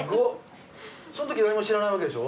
そのとき何も知らないわけでしょ？